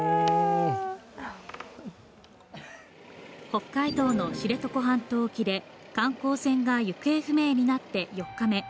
北海道の知床半島沖で観光船が行方不明になって４日目。